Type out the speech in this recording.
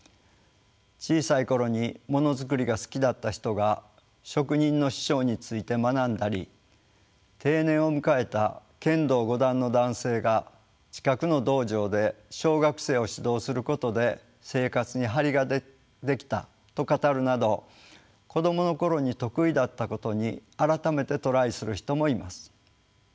小さい頃にモノ作りが好きだった人が職人の師匠について学んだり定年を迎えた剣道五段の男性が近くの道場で小学生を指導することで生活に張りが出来たと語るなど子どもの頃に得意だったことに改めてトライする人もいます。